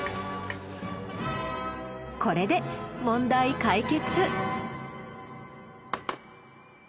これで問題解決。